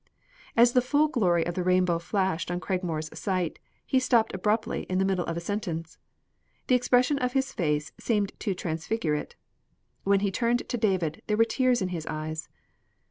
As the full glory of the rainbow flashed on Cragmore's sight, he stopped abruptly in the middle of a sentence. The expression of his face seemed to transfigure it. When he turned to David, there were tears in his eyes.